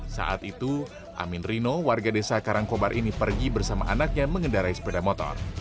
saat itu amin rino warga desa karangkobar ini pergi bersama anaknya mengendarai sepeda motor